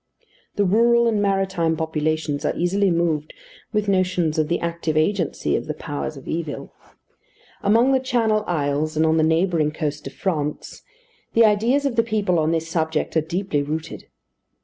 The rural and maritime populations are easily moved with notions of the active agency of the powers of evil. Among the Channel Isles, and on the neighbouring coast of France, the ideas of the people on this subject are deeply rooted.